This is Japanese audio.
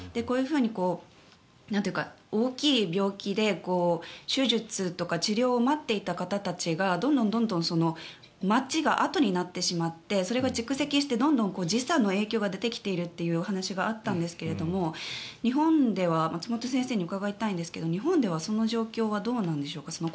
こういうふうに大きい病気で手術とか治療を待っていた方たちがどんどん待ちが後になってしまってそれが蓄積して時差の影響が出てきているというお話があったんですが松本先生に伺いたいんですが日本ではその状況はどうなんでしょうか？